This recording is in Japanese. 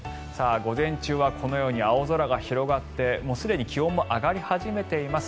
午前中はこのように青空が広がってすでに気温も上がり始めています。